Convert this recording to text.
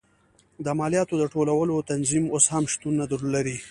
د مالیاتو د ټولولو تنظیم اوس هم شتون نه لري.